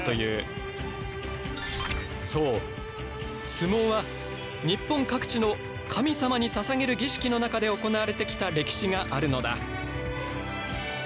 相撲は日本各地の神様にささげる儀式の中で行われてきた歴史があるのだ。